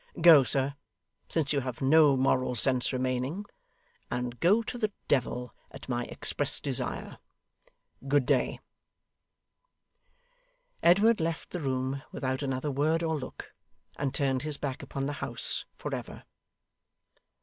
Go, sir, since you have no moral sense remaining; and go to the Devil, at my express desire. Good day.' Edward left the room without another word or look, and turned his back upon the house for ever.